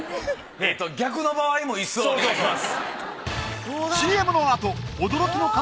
逆の場合もイスをお願いします。